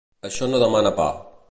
Això no demana pa.